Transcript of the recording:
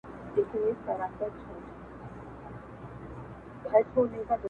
دا انجلۍ بلا ته فريادي وركــوي تـــا غــــواړي.